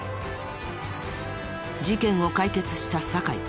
事件を解決した酒井。